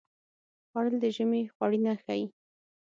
خوړل د ژمي خوړینه ښيي